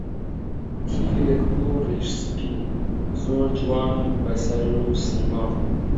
پیرێک بوو ڕیش سپی، زۆر جوان و بە سەر و سیما